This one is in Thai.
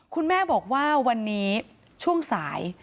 คุณแม่บอกว่าวันนี้ช่วงสาย